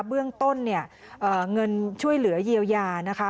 เบื้องต้นเนี่ยเงินช่วยเหลือเยียวยานะคะ